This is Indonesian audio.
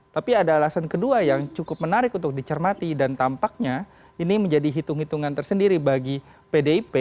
tapi ada alasan kedua yang cukup menarik untuk dicermati dan tampaknya ini menjadi hitung hitungan tersendiri bagi pdip